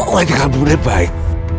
majikan bu baik